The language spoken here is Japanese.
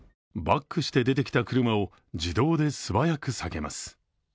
バックして出てきた車を自動で素早く避けます。